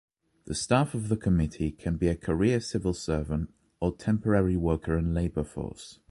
The staff of the committee can be a career civil servant or temporary worker and labor force.